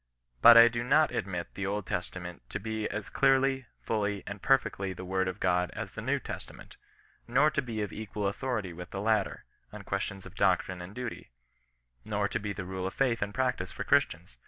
But I do not admit the Old Testament to be as clearly, fully, and perfectly the word of God as the New Testament ; nor to be of equal authority with the latter, on questiors of doctrine and duty ; nor to be the rule of faith and practice for Christians.